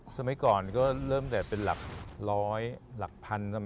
สมัยก่อนก็เริ่มแต่เป็นหลักร้อยหลักพัน